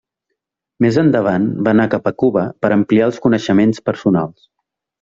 Més endavant va anar cap a Cuba per ampliar els coneixements personals.